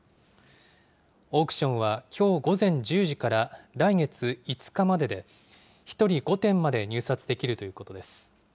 オークションはきょう午前１０時から、来月５日までで、１人５点まで入札できるということです。